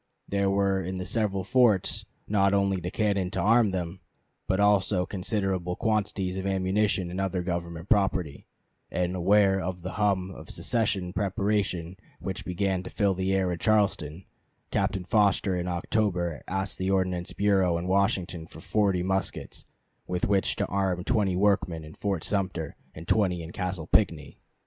There were in the several forts not only the cannon to arm them, but also considerable quantities of ammunition and other government property; and aware of the hum of secession preparation which began to fill the air in Charleston, Captain Foster in October asked the Ordnance Bureau at Washington for forty muskets, with which to arm twenty workmen in Fort Sumter and twenty in Castle Pinckney.